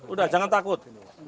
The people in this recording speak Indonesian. udah jangan takut